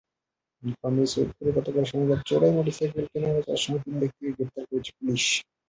নীলফামারীর সৈয়দপুরে গতকাল শনিবার চোরাই মোটরসাইকেল কেনাবেচার সময় তিন ব্যক্তিকে গ্রেপ্তার করেছে পুলিশ।